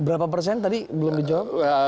berapa persen tadi belum dijawab